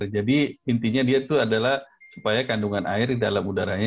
jadi intinya dia itu adalah supaya kandungan air di dalam udaranya